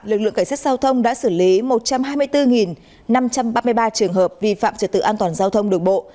lực lượng cảnh sát giao thông đã xử lý một trăm hai mươi bốn năm trăm ba mươi ba trường hợp vi phạm trật tự an toàn giao thông đường bộ